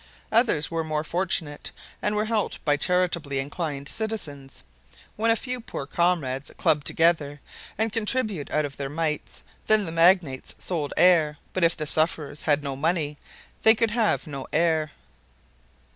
Others were more fortunate and were helped by charitably inclined citizens. When a few poor comrades clubbed together and contributed out of their mites, then the magnates sold air, but if the sufferers had no money, they could have no air.